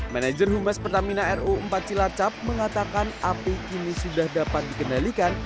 manager humas pertamina ru empat cilacap mengatakan api kini sudah dapat dikendalikan